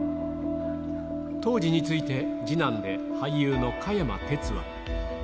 当時について、次男で俳優の加山徹は。